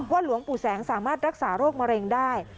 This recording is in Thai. หลวงปู่แสงสามารถรักษาโรคมะเร็งได้